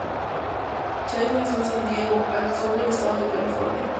Chase nació en San Diego, al sur del estado de California.